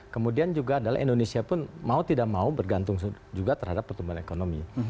kemudian juga adalah indonesia pun mau tidak mau bergantung juga terhadap pertumbuhan ekonomi